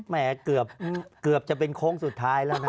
แหมเกือบจะเป็นโค้งสุดท้ายแล้วนะ